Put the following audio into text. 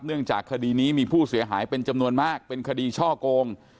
เนื่องจากคดีนี้มีผู้เสียหายเป็นจำนวนมากเป็นคดีช่อโกง